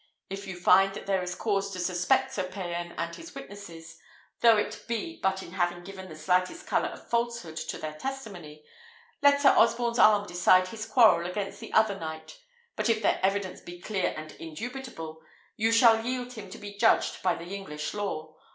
If you find that there is cause to suspect Sir Payan and his witnesses, though it be but in having given the slightest colour of falsehood to their testimony, let Sir Osborne's arm decide his quarrel against the other knight; but if their evidence be clear and indubitable, you shall yield him to be judged by the English law.